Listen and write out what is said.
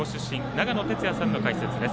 長野哲也さんの解説です。